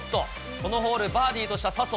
このホール、バーディーとした笹生。